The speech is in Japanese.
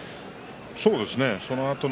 そうですね